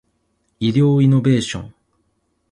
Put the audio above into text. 医療イノベーション